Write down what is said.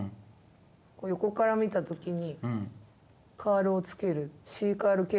横から見た時に。